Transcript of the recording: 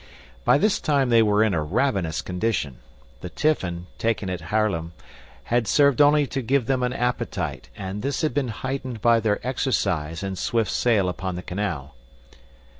By this time they were in a ravenous condition. The tiffin, taken at Haarlem, had served only to give them an appetite, and this had been heightened by their exercise and swift sail upon the canal.